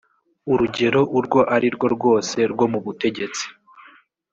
urugero urwo ari rwo rwose rwo mu butegetsi